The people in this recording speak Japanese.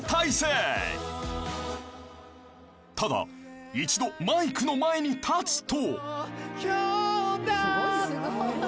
［ただ一度マイクの前に立つと］